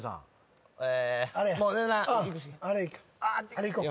あれいこう。